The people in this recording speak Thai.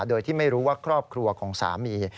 โดยที่ไม่รู้ว่าครอบครัวของสามี